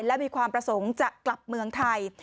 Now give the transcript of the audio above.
และมีความประสงค์จะกลับเมืองไทย